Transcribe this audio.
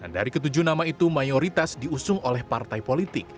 dari ketujuh nama itu mayoritas diusung oleh partai politik